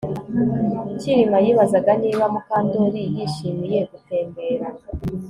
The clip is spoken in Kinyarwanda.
Kirima yibazaga niba Mukandoli yishimiye gutembera